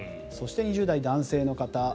そして２０代男性の方。